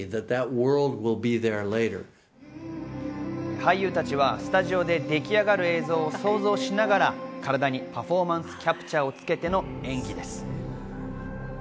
俳優たちはスタジオででき上がる映像を想像しながら、体にパフォーマンスキャプチャーをつけての演技です。